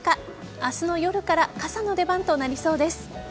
明日の夜から傘の出番となりそうです。